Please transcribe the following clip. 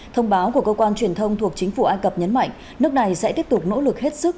thông báo của cơ quan truyền thông thuộc chính phủ ai cập nhấn mạnh nước này sẽ tiếp tục nỗ lực hết sức